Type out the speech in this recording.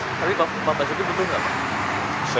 tapi pak pak suki butuh nggak pak